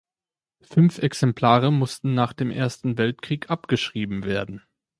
Fünf Exemplare mussten nach dem Ersten Weltkrieg abgeschrieben werden.